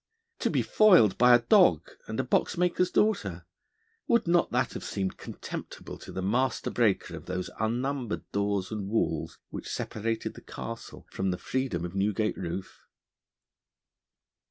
To be foiled by a dog and a boxmaker's daughter! Would not that have seemed contemptible to the master breaker of those unnumbered doors and walls which separate the Castle from the freedom of Newgate roof?